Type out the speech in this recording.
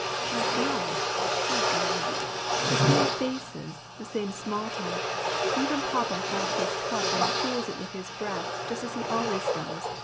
" My God ! my God ! the same faces, the same small talk ! even papa holds his cup and cools it with his breath just as he always does